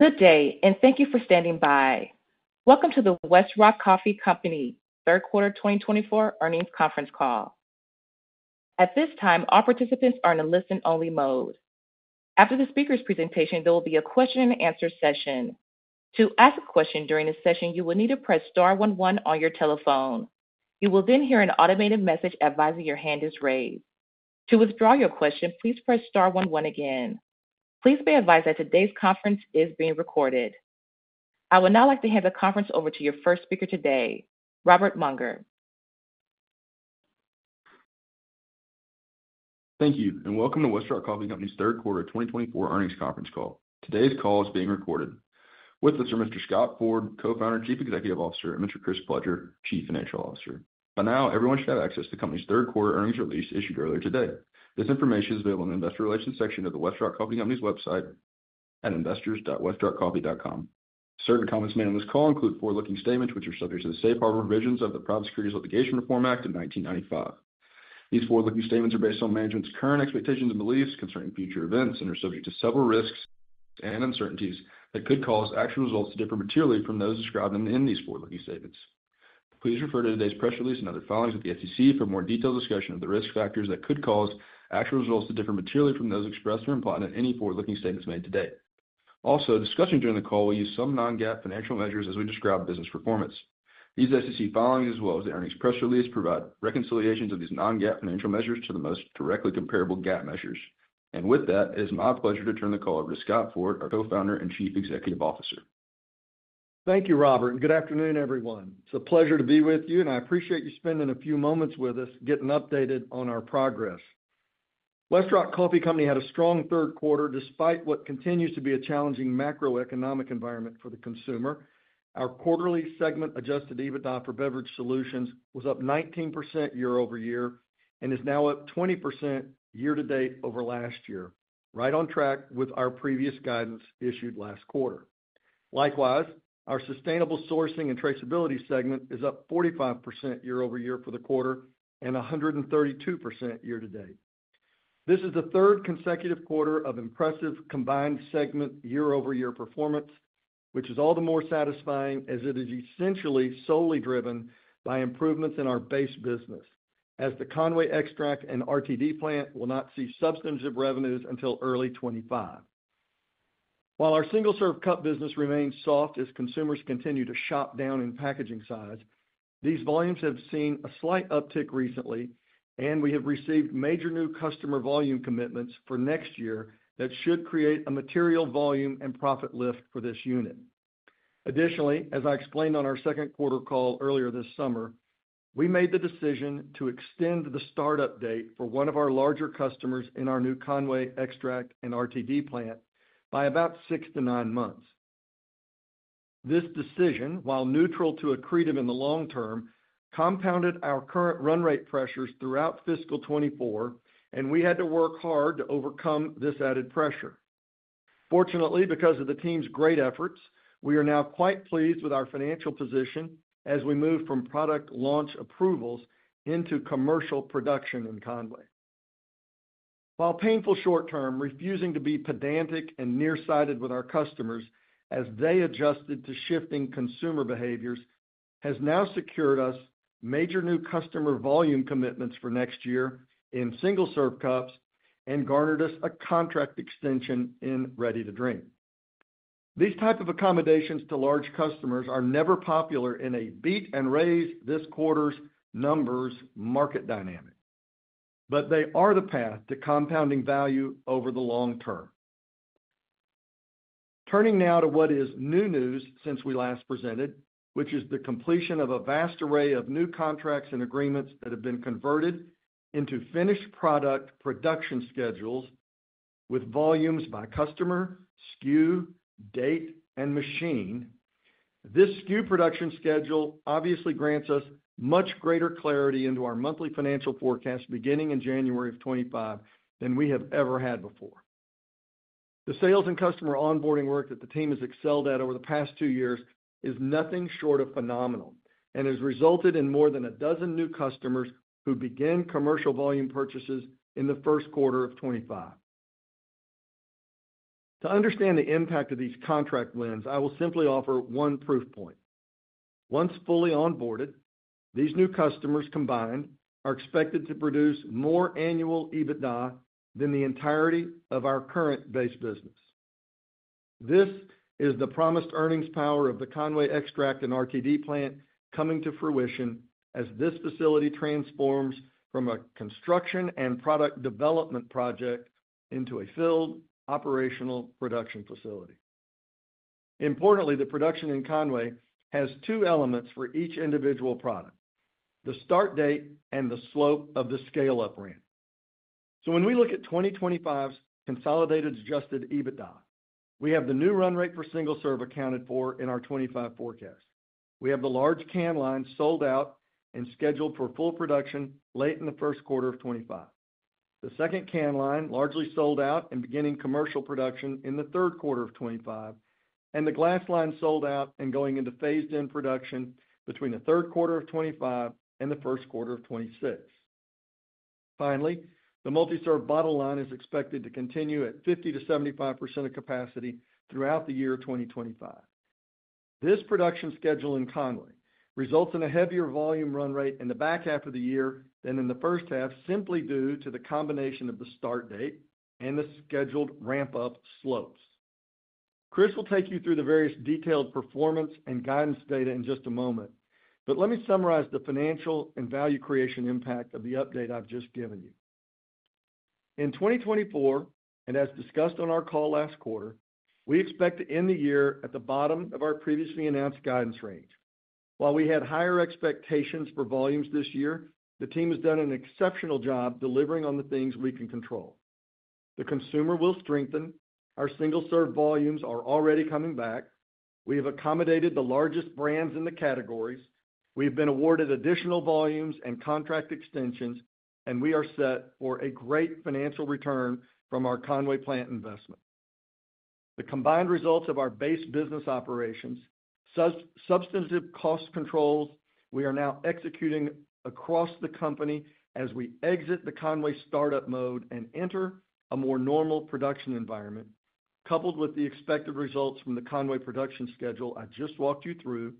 Good day, and thank you for standing by. Welcome to the Westrock Coffee Company Clay, Crumbliss, third quarter 2024 earnings conference call. At this time, all participants are in a listen-only mode. After the speaker's presentation, there will be a question-and-answer session. To ask a question during this session, you will need to press star 11 on your telephone. You will then hear an automated message advising your hand is raised. To withdraw your question, please press *11 again. Please be advised that today's conference is being recorded. I would now like to hand the conference over to your first speaker today, Robert Mounger. Thank you, and welcome to Westrock Coffee Company's third quarter 2024 earnings conference call. Today's call is being recorded. With us are Mr. Scott Ford, Co-founder and Chief Executive Officer, and Mr. Chris Pledger, Chief Financial Officer. By now, everyone should have access to the company's third quarter earnings release issued earlier today. This information is available in the investor relations section of the Westrock Coffee Company's website at investors.westrockcoffee.com. Certain comments made on this call include forward-looking statements which are subject to the safe harbor provisions of the Private Securities Litigation Reform Act of 1995. These forward-looking statements are based on management's current expectations and beliefs concerning future events and are subject to several risks and uncertainties that could cause actual results to differ materially from those described in these forward-looking statements. Please refer to today's press release and other filings with the SEC for more detailed discussion of the risk factors that could cause actual results to differ materially from those expressed or implied in any forward-looking statements made today. Also, discussing during the call, we use some non-GAAP financial measures as we describe business performance. These SEC filings, as well as the earnings press release, provide reconciliations of these non-GAAP financial measures to the most directly comparable GAAP measures. And with that, it is my pleasure to turn the call over to Scott Ford, our Co-founder and Chief Executive Officer. Thank you, Robert, and good afternoon, everyone. It's a pleasure to be with you, and I appreciate you spending a few moments with us getting updated on our progress. Westrock Coffee Company had a strong third quarter despite what continues to be a challenging macroeconomic environment for the consumer. Our quarterly Segment-Adjusted EBITDA for Beverage Solutions was up 19% year-over-year and is now up 20% year-to-date over last year, right on track with our previous guidance issued last quarter. Likewise, our Sustainable Sourcing and Traceability segment is up 45% year-over-year for the quarter and 132% year-to-date. This is the third consecutive quarter of impressive combined segment year-over-year performance, which is all the more satisfying as it is essentially solely driven by improvements in our base business, as the Conway extract and RTD plant will not see substantive revenues until early 2025. While our single-serve cup business remains soft as consumers continue to shop down in packaging size, these volumes have seen a slight uptick recently, and we have received major new customer volume commitments for next year that should create a material volume and profit lift for this unit. Additionally, as I explained on our second quarter call earlier this summer, we made the decision to extend the startup date for one of our larger customers in our new Conway extract and RTD plant by about six to nine months. This decision, while neutral to EBITDA in the long term, compounded our current run rate pressures throughout fiscal 2024, and we had to work hard to overcome this added pressure. Fortunately, because of the team's great efforts, we are now quite pleased with our financial position as we move from product launch approvals into commercial production in Conway. While painful short-term, refusing to be pedantic and near-sighted with our customers as they adjusted to shifting consumer behaviors has now secured us major new customer volume commitments for next year in single-serve cups and garnered us a contract extension in Ready-to-Drink. These types of accommodations to large customers are never popular in a beat-and-raise-this-quarter's numbers market dynamic, but they are the path to compounding value over the long term. Turning now to what is new news since we last presented, which is the completion of a vast array of new contracts and agreements that have been converted into finished product production schedules with volumes by customer, SKU, date, and machine. This SKU production schedule obviously grants us much greater clarity into our monthly financial forecast beginning in January of 2025 than we have ever had before. The sales and customer onboarding work that the team has excelled at over the past two years is nothing short of phenomenal and has resulted in more than a dozen new customers who began commercial volume purchases in the first quarter of 2025. To understand the impact of these contract wins, I will simply offer one proof point. Once fully onboarded, these new customers combined are expected to produce more annual EBITDA than the entirety of our current base business. This is the promised earnings power of the Conway extract and RTD plant coming to fruition as this facility transforms from a construction and product development project into a filled operational production facility. Importantly, the production in Conway has two elements for each individual product: the start date and the slope of the scale-up ramp. So when we look at 2025's Consolidated Adjusted EBITDA, we have the new run rate for single serve accounted for in our 2025 forecast. We have the large can line sold out and scheduled for full production late in the first quarter of 2025, the second can line largely sold out and beginning commercial production in the third quarter of 2025, and the glass line sold out and going into phased-in production between the third quarter of 2025 and the first quarter of 2026. Finally, the multi-serve bottle line is expected to continue at 50%-75% of capacity throughout the year 2025. This production schedule in Conway results in a heavier volume run rate in the back half of the year than in the first half simply due to the combination of the start date and the scheduled ramp-up slopes. Chris will take you through the various detailed performance and guidance data in just a moment, but let me summarize the financial and value creation impact of the update I've just given you. In 2024, and as discussed on our call last quarter, we expect to end the year at the bottom of our previously announced guidance range. While we had higher expectations for volumes this year, the team has done an exceptional job delivering on the things we can control. The consumer will strengthen. Our single-serve volumes are already coming back. We have accommodated the largest brands in the categories. We have been awarded additional volumes and contract extensions, and we are set for a great financial return from our Conway plant investment. The combined results of our base business operations, substantive cost controls, we are now executing across the company as we exit the Conway startup mode and enter a more normal production environment, coupled with the expected results from the Conway production schedule I just walked you through,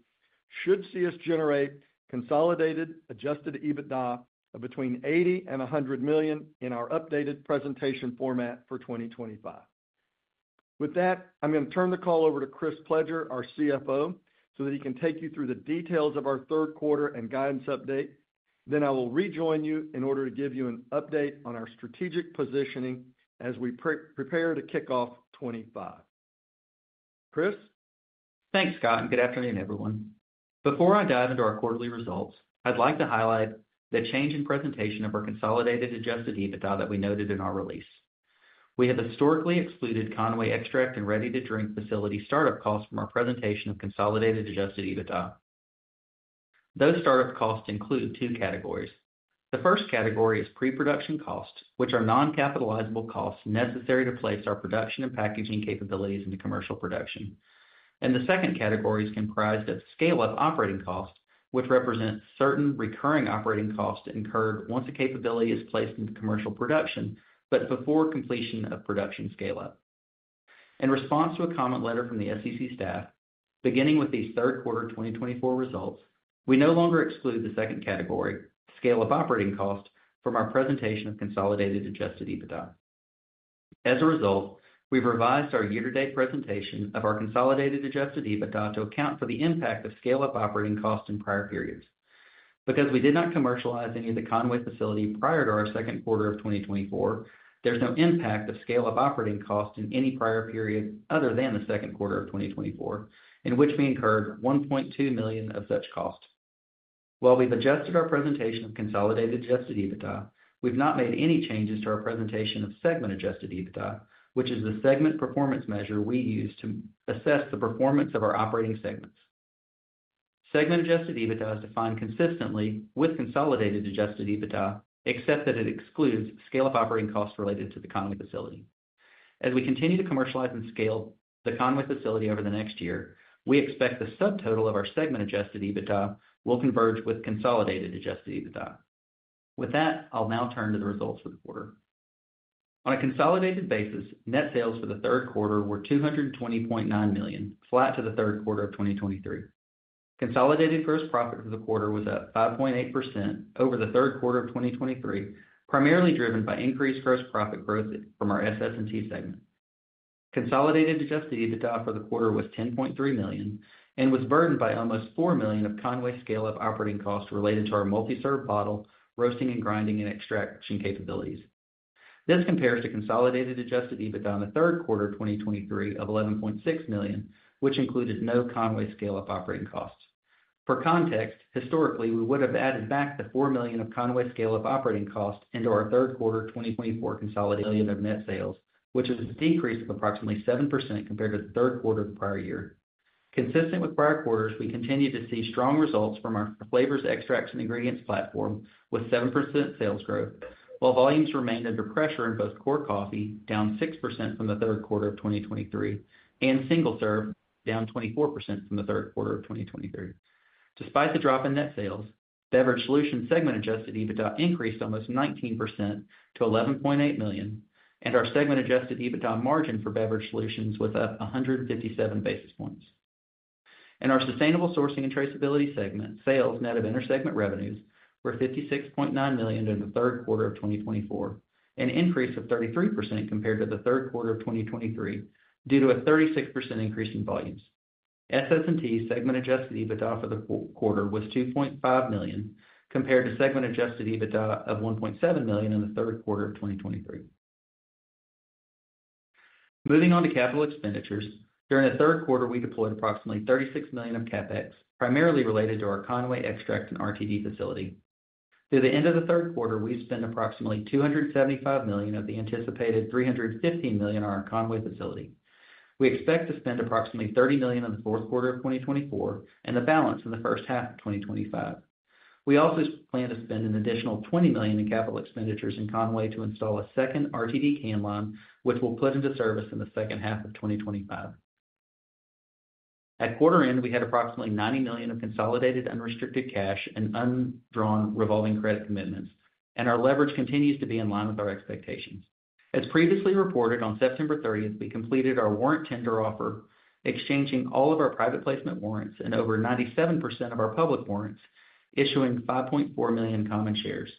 should see us generate Consolidated Adjusted EBITDA of between $80 million and $100 million in our updated presentation format for 2025. With that, I'm going to turn the call over to Chris Pledger, our CFO, so that he can take you through the details of our third quarter and guidance update. Then I will rejoin you in order to give you an update on our strategic positioning as we prepare to kick off 2025. Chris? Thanks, Scott. And good afternoon, everyone. Before I dive into our quarterly results, I'd like to highlight the change in presentation of our Consolidated Adjusted EBITDA that we noted in our release. We have historically excluded Conway extract and Ready-to-Drink facility startup costs from our presentation of Consolidated Adjusted EBITDA. Those startup costs include two categories. The first category is pre-production costs, which are non-capitalizable costs necessary to place our production and packaging capabilities into commercial production. And the second category is comprised of scale-up operating costs, which represent certain recurring operating costs incurred once a capability is placed into commercial production but before completion of production scale-up. In response to a comment letter from the SEC staff, beginning with these third quarter 2024 results, we no longer exclude the second category, scale-up operating cost, from our presentation of Consolidated Adjusted EBITDA. As a result, we've revised our year-to-date presentation of our Consolidated Adjusted EBITDA to account for the impact of Scale-up Operating Costs in prior periods. Because we did not commercialize any of the Conway facility prior to our second quarter of 2024, there's no impact of Scale-up Operating Costs in any prior period other than the second quarter of 2024, in which we incurred $1.2 million of such cost. While we've adjusted our presentation of Consolidated Adjusted EBITDA, we've not made any changes to our presentation of Segment-Adjusted EBITDA, which is the segment performance measure we use to assess the performance of our operating segments. Segment-Adjusted EBITDA is defined consistently with Consolidated Adjusted EBITDA, except that it excludes Scale-up Operating Costs related to the Conway facility. As we continue to commercialize and scale the Conway facility over the next year, we expect the subtotal of our segment adjusted EBITDA will Consolidated Adjusted EBITDA. With that, I'll now turn to the results for the quarter. On a consolidated basis, net sales for the third quarter were $220.9 million, flat to the third quarter of 2023. Consolidated gross profit for the quarter was at 5.8% over the third quarter of 2023, primarily driven by increased gross profit growth from our SS&T segment. Consolidated adjusted EBITDA for the quarter was $10.3 million and was burdened by almost $4 million of Conway scale-up operating costs related to our multi-serve bottle, roasting and grinding, and extraction capabilities. This Consolidated Adjusted EBITDA in the third quarter of 2023 of $11.6 million, which included no Conway scale-up operating costs. For context, historically, we would have added back the $4 million of Conway scale-up operating costs into our third quarter 2024 consolidated net sales, which is a decrease of approximately 7% compared to the third quarter of the prior year. Consistent with prior quarters, we continue to see strong results from our Flavors, Extracts, and Ingredients platform with 7% sales growth, while volumes remained under pressure in both Core Coffee, down 6% from the third quarter of 2023, and Single Serve, down 24% from the third quarter of 2023. Despite the drop in net sales, Beverage Solutions segment adjusted EBITDA increased almost 19% to $11.8 million, and our segment adjusted EBITDA margin for Beverage Solutions was at 157 basis points. In our sustainable sourcing and traceability segment, sales net of intersegment revenues were $56.9 million in the third quarter of 2024, an increase of 33% compared to the third quarter of 2023 due to a 36% increase in volumes. SS&T segment Adjusted EBITDA for the quarter was $2.5 million compared to segment Adjusted EBITDA of $1.7 million in the third quarter of 2023. Moving on to capital expenditures, during the third quarter, we deployed approximately $36 million of CapEx, primarily related to our Conway extract and RTD facility. To the end of the third quarter, we spent approximately $275 million of the anticipated $315 million on our Conway facility. We expect to spend approximately $30 million in the fourth quarter of 2024 and the balance in the first half of 2025. We also plan to spend an additional $20 million in capital expenditures in Conway to install a second RTD can line, which we'll put into service in the second half of 2025. At quarter end, we had approximately $90 million of consolidated unrestricted cash and undrawn revolving credit commitments, and our leverage continues to be in line with our expectations. As previously reported, on September 30th, we completed our warrant tender offer, exchanging all of our private placement warrants and over 97% of our public warrants, issuing 5.4 million common shares.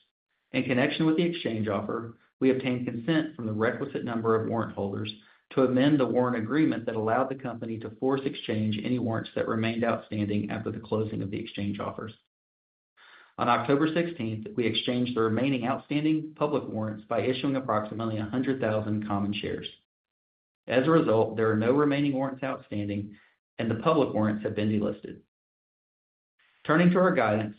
In connection with the exchange offer, we obtained consent from the requisite number of warrant holders to amend the warrant agreement that allowed the company to force exchange any warrants that remained outstanding after the closing of the exchange offers. On October 16th, we exchanged the remaining outstanding public warrants by issuing approximately 100,000 common shares. As a result, there are no remaining warrants outstanding, and the public warrants have been delisted. Turning to our guidance,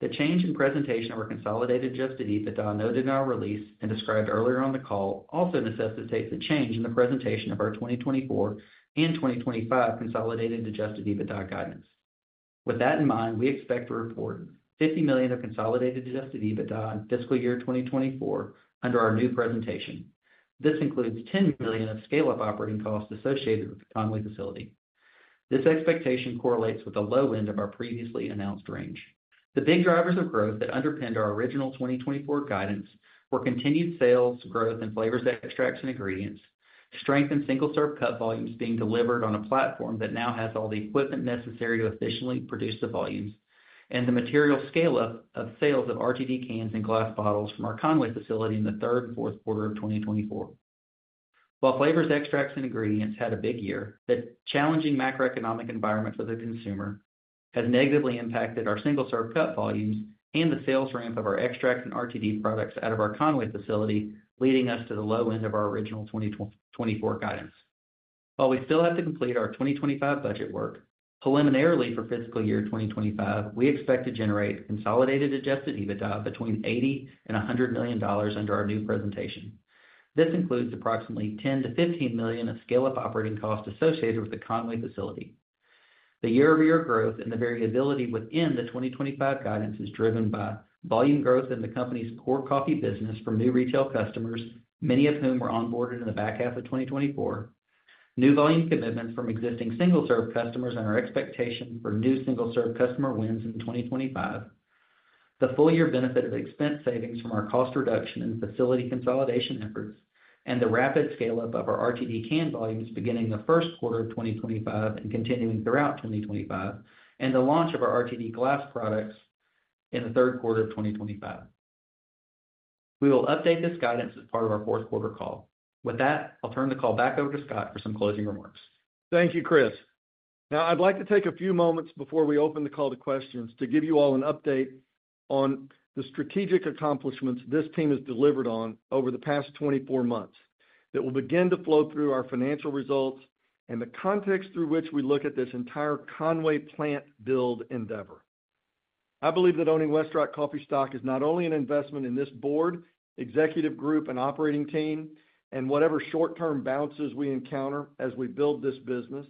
the change in presentation of our Consolidated Adjusted EBITDA noted in our release and described earlier on the call also necessitates a change in the presentation of our 2024 and 2025 Consolidated Adjusted EBITDA guidance. With that in mind, we expect to report $50 million of Consolidated Adjusted EBITDA in fiscal year 2024 under our new presentation. This includes $10 million of scale-up operating costs associated with the Conway facility. This expectation correlates with a low end of our previously announced range. The big drivers of growth that underpinned our original 2024 guidance were continued sales, growth in flavors, extracts, and ingredients, strength in single serve cup volumes being delivered on a platform that now has all the equipment necessary to efficiently produce the volumes, and the material scale-up of sales of RTD cans and glass bottles from our Conway facility in the third and fourth quarter of 2024. While flavors, extracts, and ingredients had a big year, the challenging macroeconomic environment for the consumer has negatively impacted our single serve cup volumes and the sales ramp of our extracts and RTD products out of our Conway facility, leading us to the low end of our original 2024 guidance. While we still have to complete our 2025 budget work, preliminarily for fiscal year 2025, we expect to generate Consolidated Adjusted EBITDA between $80 million and $100 million under our new presentation. This includes approximately $10-$15 million of scale-up operating costs associated with the Conway facility. The year-over-year growth and the variability within the 2025 guidance is driven by volume growth in the company's core coffee business from new retail customers, many of whom were onboarded in the back half of 2024, new volume commitments from existing single serve customers and our expectation for new single serve customer wins in 2025, the full-year benefit of expense savings from our cost reduction and facility consolidation efforts, and the rapid scale-up of our RTD can volumes beginning the first quarter of 2025 and continuing throughout 2025, and the launch of our RTD glass products in the third quarter of 2025. We will update this guidance as part of our fourth quarter call. With that, I'll turn the call back over to Scott for some closing remarks. Thank you, Chris. Now, I'd like to take a few moments before we open the call to questions to give you all an update on the strategic accomplishments this team has delivered on over the past 24 months that will begin to flow through our financial results and the context through which we look at this entire Conway plant build endeavor. I believe that owning Westrock Coffee Stock is not only an investment in this board, executive group, and operating team and whatever short-term bounces we encounter as we build this business,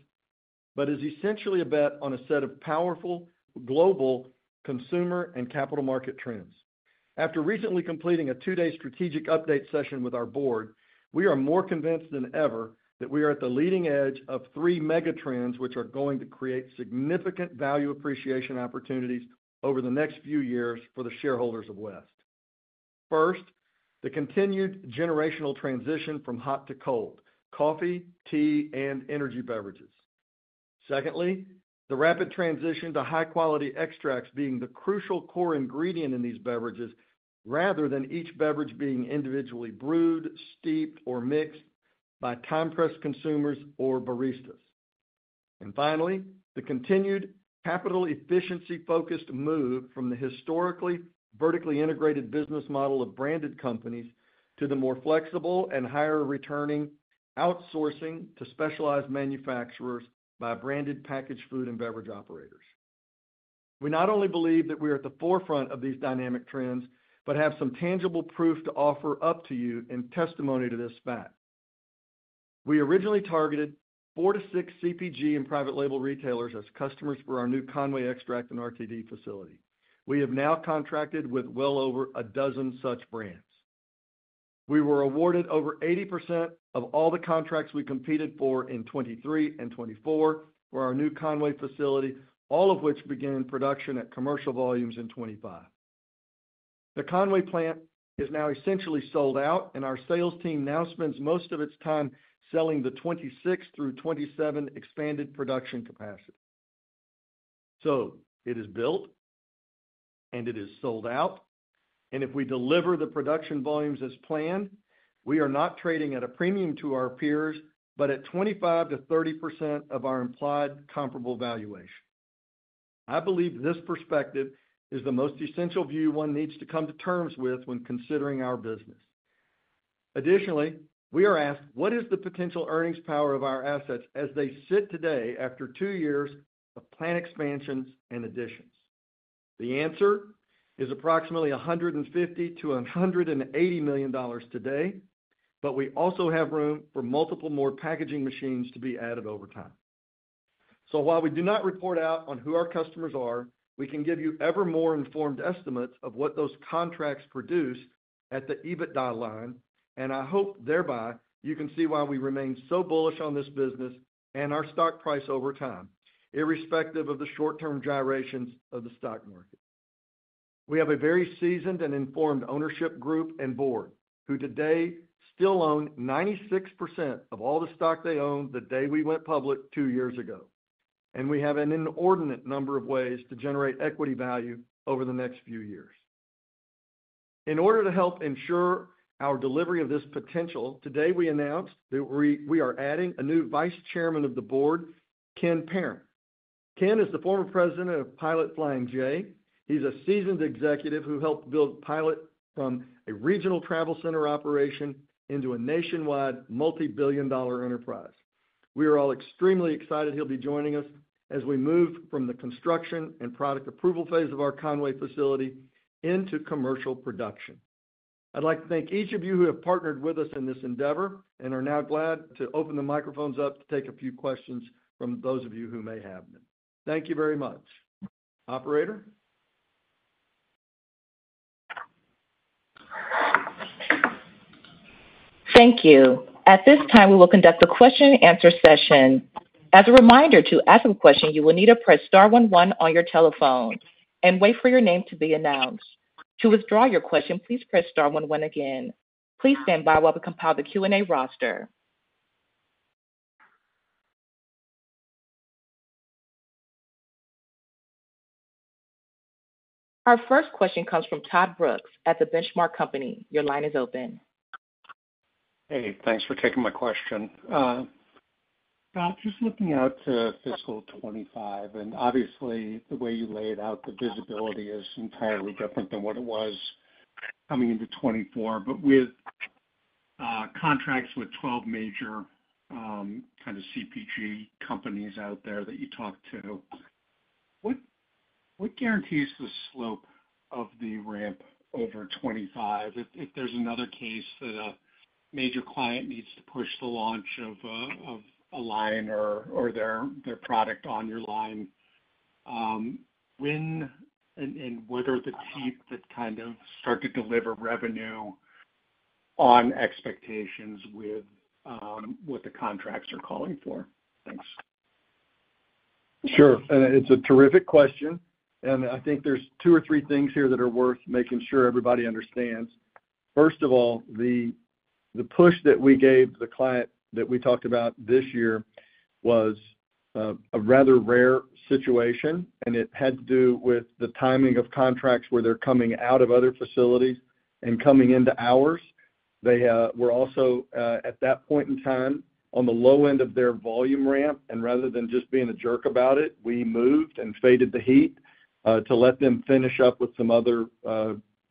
but is essentially a bet on a set of powerful global consumer and capital market trends. After recently completing a two-day strategic update session with our board, we are more convinced than ever that we are at the leading edge of three mega trends which are going to create significant value appreciation opportunities over the next few years for the shareholders of West. First, the continued generational transition from hot to cold coffee, tea, and energy beverages. Secondly, the rapid transition to high-quality extracts being the crucial core ingredient in these beverages rather than each beverage being individually brewed, steeped, or mixed by time-pressed consumers or baristas. And finally, the continued capital efficiency-focused move from the historically vertically integrated business model of branded companies to the more flexible and higher-returning outsourcing to specialized manufacturers by branded packaged food and beverage operators. We not only believe that we are at the forefront of these dynamic trends but have some tangible proof to offer up to you in testimony to this fact. We originally targeted four to six CPG and private label retailers as customers for our new Conway extract and RTD facility. We have now contracted with well over a dozen such brands. We were awarded over 80% of all the contracts we competed for in 2023 and 2024 for our new Conway facility, all of which begin production at commercial volumes in 2025. The Conway plant is now essentially sold out, and our sales team now spends most of its time selling the 2026 through 2027 expanded production capacity. So it is built, and it is sold out. And if we deliver the production volumes as planned, we are not trading at a premium to our peers, but at 25%-30% of our implied comparable valuation. I believe this perspective is the most essential view one needs to come to terms with when considering our business. Additionally, we are asked, what is the potential earnings power of our assets as they sit today after two years of plant expansions and additions? The answer is approximately $150-$180 million today, but we also have room for multiple more packaging machines to be added over time. So while we do not report out on who our customers are, we can give you ever more informed estimates of what those contracts produce at the EBITDA line, and I hope thereby you can see why we remain so bullish on this business and our stock price over time, irrespective of the short-term gyrations of the stock market. We have a very seasoned and informed ownership group and board who today still own 96% of all the stock they owned the day we went public two years ago, and we have an inordinate number of ways to generate equity value over the next few years. In order to help ensure our delivery of this potential, today we announced that we are adding a new Vice Chairman of the Board, Ken Parent. Ken is the former president of Pilot Flying J. He's a seasoned executive who helped build Pilot from a regional travel center operation into a nationwide multi-billion-dollar enterprise. We are all extremely excited he'll be joining us as we move from the construction and product approval phase of our Conway facility into commercial production. I'd like to thank each of you who have partnered with us in this endeavor and are now glad to open the microphones up to take a few questions from those of you who may have them. Thank you very much. Operator. Thank you. At this time, we will conduct the question-and-answer session. As a reminder, to ask a question, you will need to press 11 on your telephone and wait for your name to be announced. To withdraw your question, please press star 11 again. Please stand by while we compile the Q&A roster. Our first question comes from Todd Brooks at The Benchmark Company. Your line is open. Hey, thanks for taking my question. Just looking out to fiscal 2025, and obviously, the way you lay it out, the visibility is entirely different than what it was coming into 2024. But with contracts with 12 major kind of CPG companies out there that you talk to, what guarantees the slope of the ramp over 2025? If there's another case that a major client needs to push the launch of a line or their product on your line, when and what are the teeth that kind of start to deliver revenue on expectations with what the contracts are calling for? Thanks. Sure. It's a terrific question, and I think there's two or three things here that are worth making sure everybody understands. First of all, the push that we gave the client that we talked about this year was a rather rare situation, and it had to do with the timing of contracts where they're coming out of other facilities and coming into ours. They were also at that point in time on the low end of their volume ramp, and rather than just being a jerk about it, we moved and faded the heat to let them finish up with some other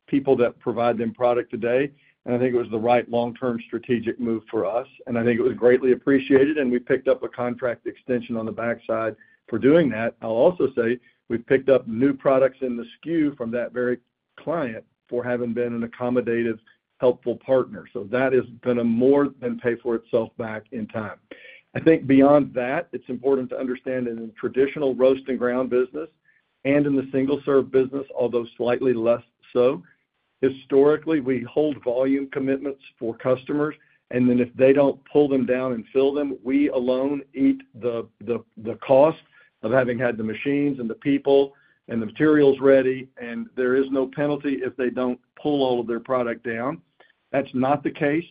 people that provide them product today, and I think it was the right long-term strategic move for us, and I think it was greatly appreciated, and we picked up a contract extension on the backside for doing that. I'll also say we've picked up new products in the SKU from that very client for having been an accommodative, helpful partner. So that has been more than paid for itself back in time. I think beyond that, it's important to understand in the traditional roast and ground business and in the single serve business, although slightly less so, historically, we hold volume commitments for customers, and then if they don't pull them down and fill them, we alone eat the cost of having had the machines and the people and the materials ready, and there is no penalty if they don't pull all of their product down. That's not the case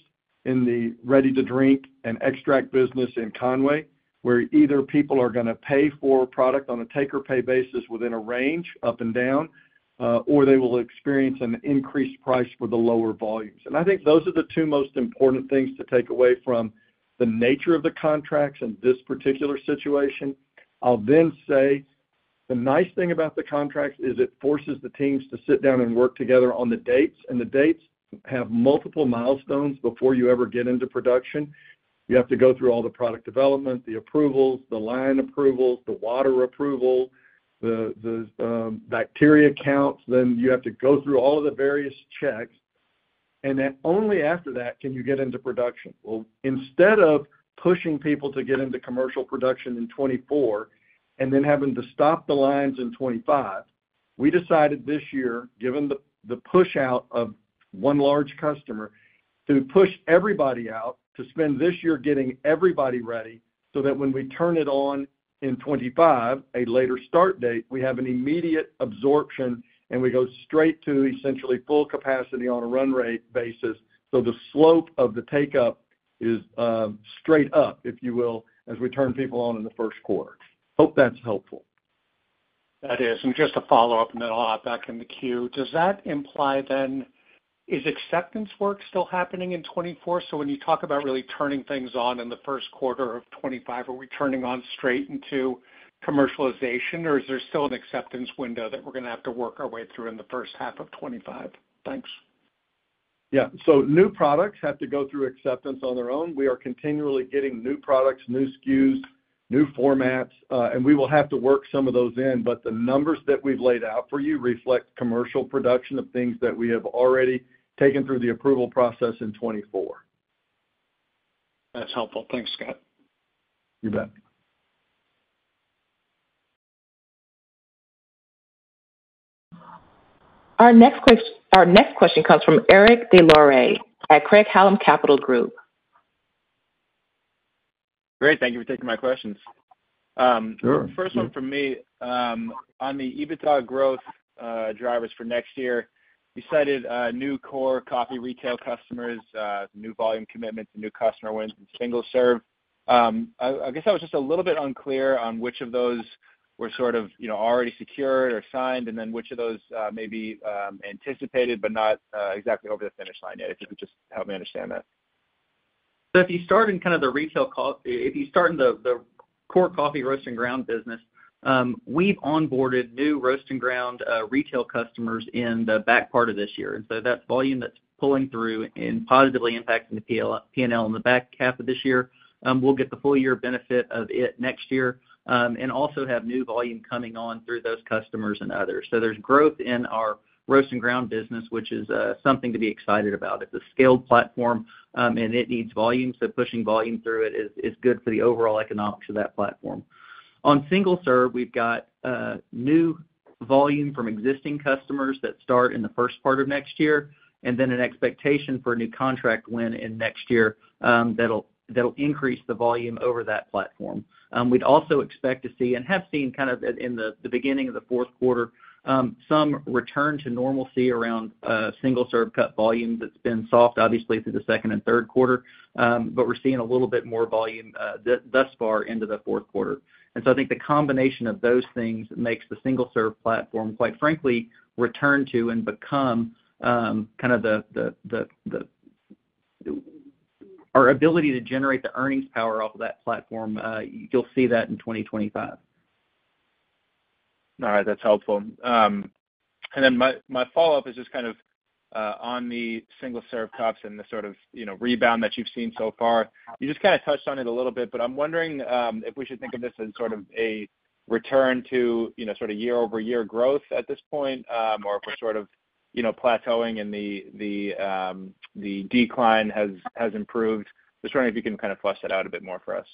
in the ready-to-drink and extract business in Conway, where either people are going to pay for product on a take-or-pay basis within a range up and down, or they will experience an increased price for the lower volumes, and I think those are the two most important things to take away from the nature of the contracts in this particular situation. I'll then say the nice thing about the contracts is it forces the teams to sit down and work together on the dates, and the dates have multiple milestones before you ever get into production. You have to go through all the product development, the approvals, the line approvals, the water approval, the bacteria counts, then you have to go through all of the various checks, and only after that can you get into production. Instead of pushing people to get into commercial production in 2024 and then having to stop the lines in 2025, we decided this year, given the push-out of one large customer, to push everybody out to spend this year getting everybody ready so that when we turn it on in 2025, a later start date, we have an immediate absorption and we go straight to essentially full capacity on a run rate basis. So the slope of the take-up is straight up, if you will, as we turn people on in the first quarter. Hope that's helpful. That is. And just to follow up, and then I'll add back in the queue, does that imply then is acceptance work still happening in 2024? So when you talk about really turning things on in the first quarter of 2025, are we turning on straight into commercialization, or is there still an acceptance window that we're going to have to work our way through in the first half of 2025? Thanks. Yeah. So, new products have to go through acceptance on their own. We are continually getting new products, new SKUs, new formats, and we will have to work some of those in, but the numbers that we've laid out for you reflect commercial production of things that we have already taken through the approval process in 2024. That's helpful. Thanks, Scott. You bet. Our next question comes from Eric Des Lauriers at Craig-Hallum Capital Group. Great. Thank you for taking my questions. The first one for me on the EBITDA growth drivers for next year, you cited new core coffee retail customers, new volume commitments, and new customer wins in single serve. I guess I was just a little bit unclear on which of those were sort of already secured or signed, and then which of those may be anticipated but not exactly over the finish line yet. If you could just help me understand that. So if you start in the core coffee roast and ground business, we've onboarded new roast and ground retail customers in the back part of this year. And so that's volume that's pulling through and positively impacting the P&L in the back half of this year. We'll get the full year benefit of it next year and also have new volume coming on through those customers and others. So there's growth in our roast and ground business, which is something to be excited about. It's a scaled platform, and it needs volume, so pushing volume through it is good for the overall economics of that platform. On single serve, we've got new volume from existing customers that start in the first part of next year, and then an expectation for a new contract win in next year that'll increase the volume over that platform. We'd also expect to see and have seen kind of in the beginning of the fourth quarter some return to normalcy around single serve K-cup volume that's been soft, obviously, through the second and third quarter, but we're seeing a little bit more volume thus far into the fourth quarter. And so I think the combination of those things makes the single serve platform, quite frankly, return to and become kind of our ability to generate the earnings power off of that platform. You'll see that in 2025. All right. That's helpful. And then my follow-up is just kind of on the single serve cups and the sort of rebound that you've seen so far. You just kind of touched on it a little bit, but I'm wondering if we should think of this as sort of a return to sort of year-over-year growth at this point, or if we're sort of plateauing and the decline has improved. Just wondering if you can kind of flesh that out a bit more for us.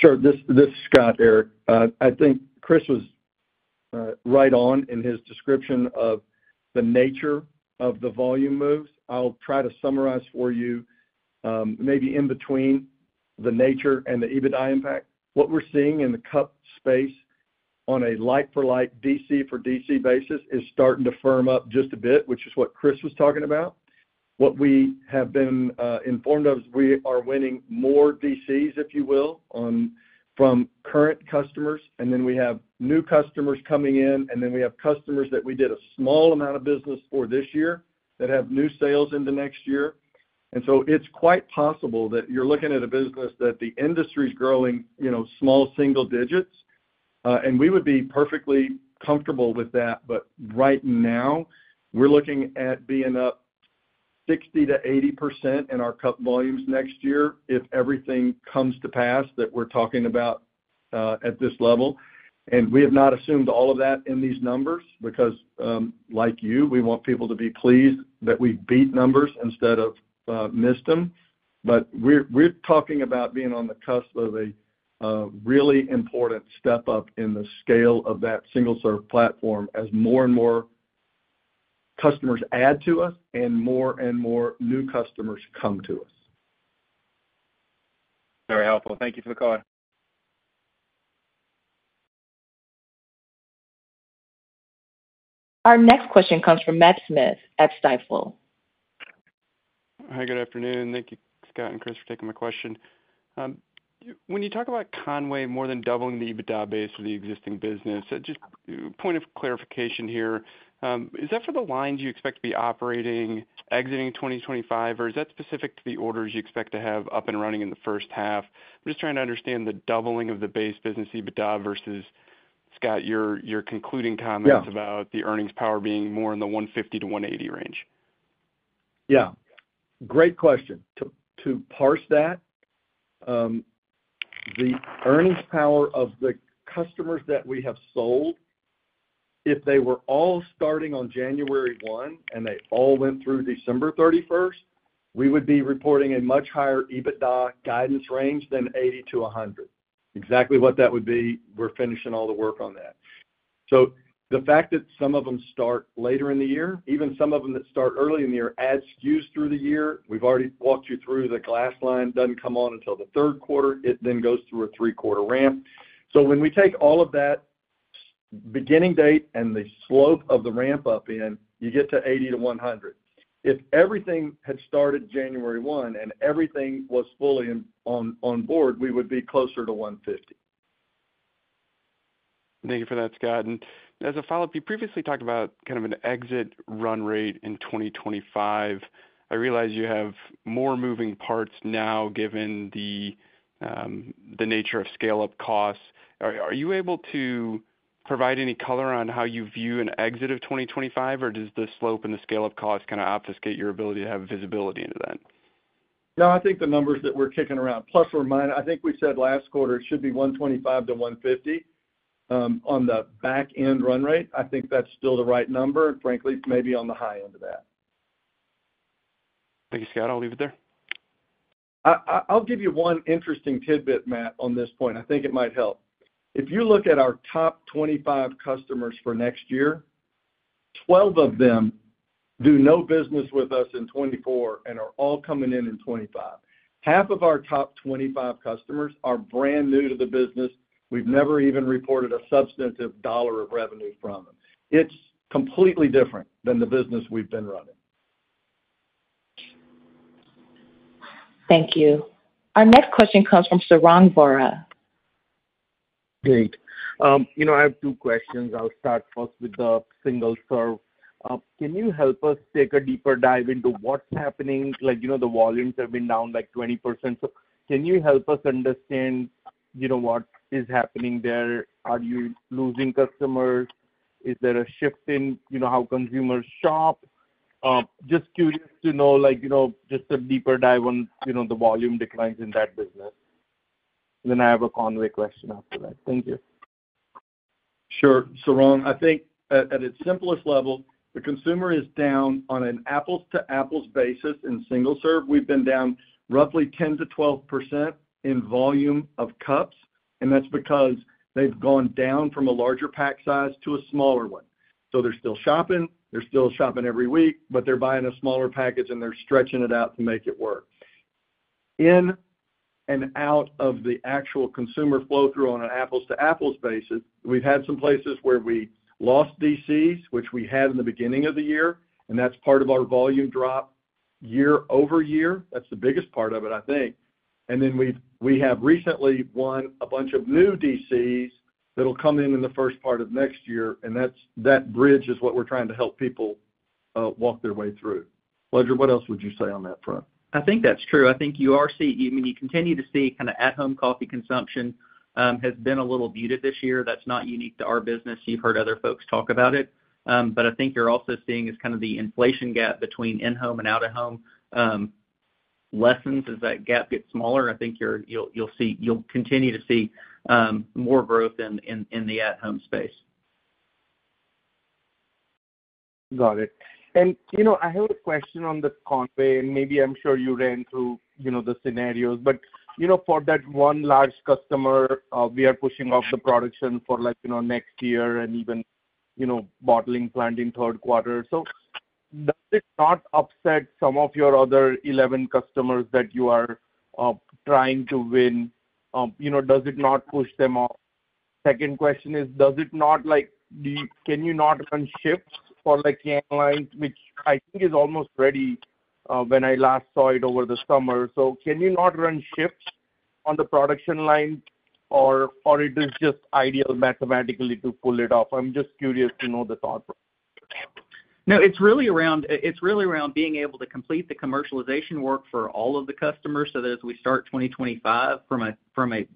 Sure. This is Scott, Eric. I think Chris was right on in his description of the nature of the volume moves. I'll try to summarize for you maybe in between the nature and the EBITDA impact. What we're seeing in the cup space on a like-for-like, DC-for-DC basis is starting to firm up just a bit, which is what Chris was talking about. What we have been informed of is we are winning more DCs, if you will, from current customers, and then we have new customers coming in, and then we have customers that we did a small amount of business for this year that have new sales into next year. And so it's quite possible that you're looking at a business that the industry's growing small single digits, and we would be perfectly comfortable with that. But right now, we're looking at being up 60%-80% in our cup volumes next year if everything comes to pass that we're talking about at this level. And we have not assumed all of that in these numbers because, like you, we want people to be pleased that we beat numbers instead of missed them. But we're talking about being on the cusp of a really important step up in the scale of that single serve platform as more and more customers add to us and more and more new customers come to us. Very helpful. Thank you for the call. Our next question comes from Matt Smith at Stifel. Hi, good afternoon. Thank you, Scott and Chris, for taking my question. When you talk about Conway more than doubling the EBITDA base for the existing business, just point of clarification here, is that for the lines you expect to be operating exiting 2025, or is that specific to the orders you expect to have up and running in the first half? I'm just trying to understand the doubling of the base business EBITDA versus, Scott, your concluding comments about the earnings power being more in the 150 to 180 range. Yeah. Great question. To parse that, the earnings power of the customers that we have sold, if they were all starting on January 1 and they all went through December 31st, we would be reporting a much higher EBITDA guidance range than 80-100. Exactly what that would be, we're finishing all the work on that. So the fact that some of them start later in the year, even some of them that start early in the year add SKUs through the year, we've already walked you through the glass line doesn't come on until the third quarter. It then goes through a three-quarter ramp. So when we take all of that beginning date and the slope of the ramp up in, you get to 80-100. If everything had started January 1 and everything was fully on board, we would be closer to 150. Thank you for that, Scott, and as a follow-up, you previously talked about kind of an exit run rate in 2025. I realize you have more moving parts now given the nature of scale-up costs. Are you able to provide any color on how you view an exit of 2025, or does the slope and the scale-up cost kind of obfuscate your ability to have visibility into that? No, I think the numbers that we're kicking around, plus or minus, I think we said last quarter it should be 125-150 on the back-end run rate. I think that's still the right number, and frankly, maybe on the high end of that. Thank you, Scott. I'll leave it there. I'll give you one interesting tidbit, Matt, on this point. I think it might help. If you look at our top 25 customers for next year, 12 of them do no business with us in 2024 and are all coming in in 2025. Half of our top 25 customers are brand new to the business. We've never even reported a substantive dollar of revenue from them. It's completely different than the business we've been running. Thank you. Our next question comes from Sarang Vora. Great. I have two questions. I'll start first with the single serve. Can you help us take a deeper dive into what's happening? The volumes have been down like 20%. So can you help us understand what is happening there? Are you losing customers? Is there a shift in how consumers shop? Just curious to know just a deeper dive on the volume declines in that business. Then I have a Conway question after that. Thank you. Sure. Sarang, I think at its simplest level, the consumer is down on an apples-to-apples basis in single serve. We've been down roughly 10%-12% in volume of cups, and that's because they've gone down from a larger pack size to a smaller one. So they're still shopping. They're still shopping every week, but they're buying a smaller package, and they're stretching it out to make it work. In and out of the actual consumer flow through on an apples-to-apples basis, we've had some places where we lost DCs, which we had in the beginning of the year, and that's part of our volume drop year over year. That's the biggest part of it, I think. Then we have recently won a bunch of new DCs that'll come in in the first part of next year, and that bridge is what we're trying to help people walk their way through. Pledger, what else would you say on that front? I think that's true. I think you are seeing, I mean, you continue to see kind of at-home coffee consumption has been a little muted this year. That's not unique to our business. You've heard other folks talk about it, but I think you're also seeing is kind of the inflation gap between in-home and out-of-home lessens as that gap gets smaller. I think you'll continue to see more growth in the at-home space. Got it. And I have a question on the Conway, and maybe I'm sure you ran through the scenarios, but for that one large customer, we are pushing off the production for next year and even bottling plant in third quarter. So does it not upset some of your other 11 customers that you are trying to win? Does it not push them off? Second question is, does it not can you not run shifts for can lines, which I think is almost ready when I last saw it over the summer? So can you not run shifts on the production line, or it is just ideal mathematically to pull it off? I'm just curious to know the thought process. No, it's really around being able to complete the commercialization work for all of the customers so that as we start 2025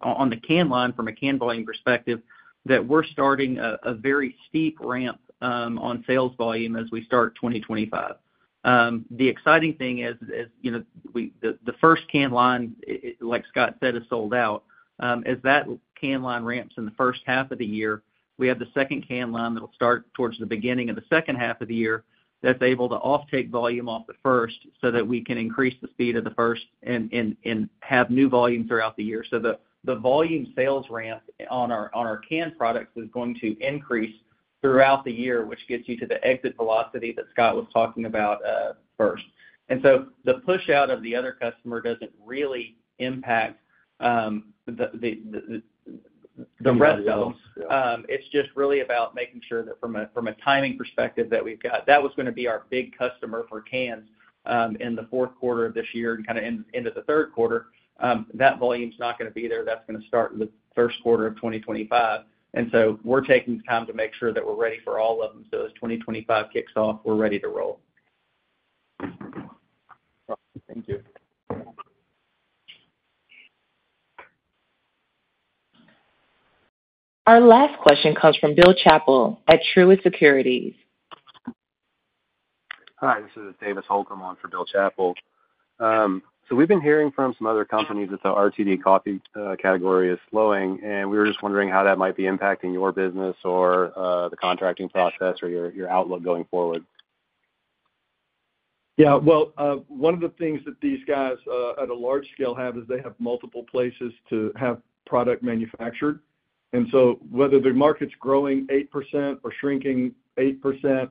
on the can line, from a can volume perspective, that we're starting a very steep ramp on sales volume as we start 2025. The exciting thing is the first can line, like Scott said, is sold out. As that can line ramps in the first half of the year, we have the second can line that'll start towards the beginning of the second half of the year that's able to offtake volume off the first so that we can increase the speed of the first and have new volume throughout the year, so the volume sales ramp on our can products is going to increase throughout the year, which gets you to the exit velocity that Scott was talking about first. And so the push-out of the other customer doesn't really impact the rest of them. It's just really about making sure that from a timing perspective that we've got that was going to be our big customer for cans in the fourth quarter of this year and kind of into the third quarter. That volume's not going to be there. That's going to start in the first quarter of 2025. And so we're taking time to make sure that we're ready for all of them. So as 2025 kicks off, we're ready to roll. Thank you. Our last question comes from Bill Chappell at Truist Securities. Hi, this is David Holcomb on for Bill Chappell. We've been hearing from some other companies that the RTD coffee category is slowing, and we were just wondering how that might be impacting your business or the contracting process or your outlook going forward. Yeah. Well, one of the things that these guys at a large scale have is they have multiple places to have product manufactured, and so whether the market's growing 8% or shrinking 8%,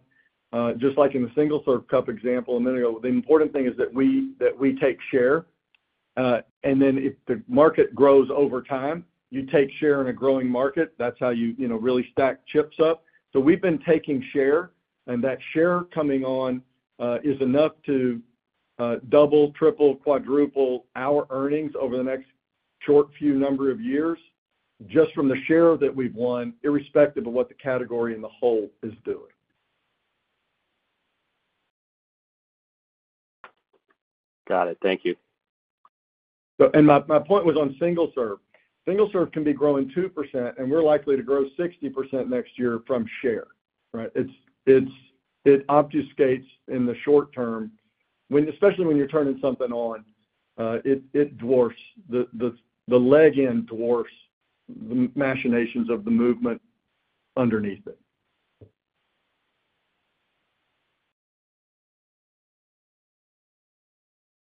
just like in the single serve cup example a minute ago, the important thing is that we take share, and then if the market grows over time, you take share in a growing market. That's how you really stack chips up, so we've been taking share, and that share coming on is enough to double, triple, quadruple our earnings over the next short few number of years just from the share that we've won, irrespective of what the category in the whole is doing. Got it. Thank you. My point was on single serve. Single serve can be growing 2%, and we're likely to grow 60% next year from share, right? It obfuscates in the short term. Especially when you're turning something on, it dwarfs. The large end dwarfs the machinations of the movement underneath it.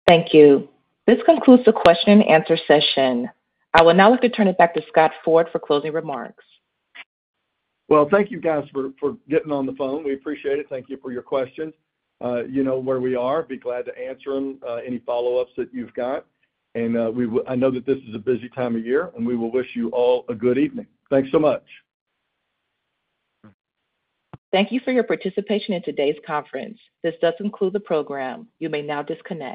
Thank you. This concludes the question-and-answer session. I would now like to turn it back to Scott Ford for closing remarks. Thank you, guys, for getting on the phone. We appreciate it. Thank you for your questions. You know where we are. Be glad to answer them, any follow-ups that you've got. I know that this is a busy time of year, and we will wish you all a good evening. Thanks so much. Thank you for your participation in today's conference. This does conclude the program. You may now disconnect.